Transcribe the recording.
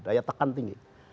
daya tekan tinggi